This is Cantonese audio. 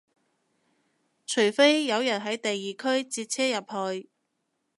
除非有人喺第二區截車入去